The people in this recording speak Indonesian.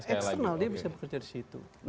eksternal dia bisa bekerja di situ